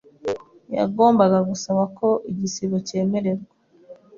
yagombaga gusaba ko igisigo cyemererwa.